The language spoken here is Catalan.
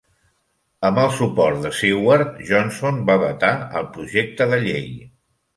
Amb el suport de Seward, Johnson va vetar el projecte de llei.